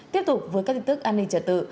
tiếp tục với các tin tức an ninh trật tự